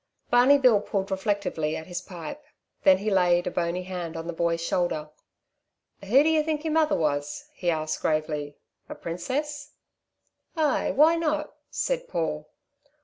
Barney Bill pulled reflectively at his pipe. Then he laid a bony hand on the boy's shoulder. "Who do you think yer mother was?" he asked gravely. "A princess?" "Ay, why not?" said Paul.